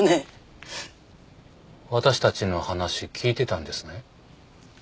私たちの話聞いてたんですね。